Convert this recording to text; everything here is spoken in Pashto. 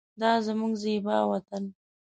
دا زمونږ زیبا وطن